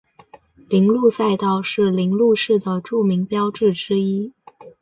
铃鹿赛道是铃鹿市的著名标志之一。